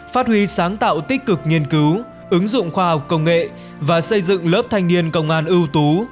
phát huy sáng tạo tích cực nghiên cứu ứng dụng khoa học công nghệ và xây dựng lớp thanh niên công an ưu tú